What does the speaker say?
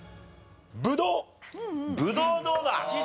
ブドウどうだ？